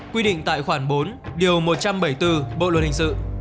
quy định tại khoản bốn điều một trăm bảy mươi bốn bộ luật hình sự